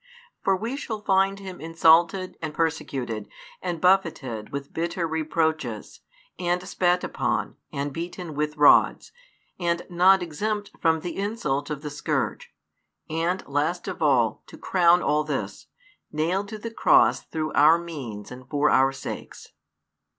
For we shall find Him insulted and persecuted, and buffeted with bitter reproaches, and spat upon, and beaten with rods, and not exempt from the insult of the scourge, and, last of all, to crown all this, nailed to the cross through our means and for our sakes.